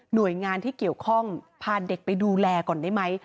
โดยงานที่เกี่ยวข้องพาเด็กไปดูแลก่อนได้ไหม